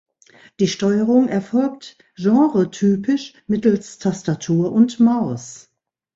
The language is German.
Die Steuerung erfolgt genretypisch mittels Tastatur und Maus.